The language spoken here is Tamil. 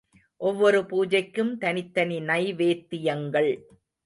ஒவ்வொரு பூஜைக்கும் தனித்தனி நைவேத்தியங்கள்.